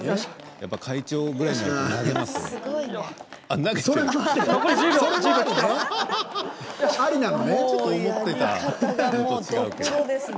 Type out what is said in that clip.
やっぱり会長ぐらいになればなげますよね。